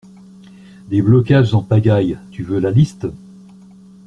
Des blocages en pagaille, tu veux la liste?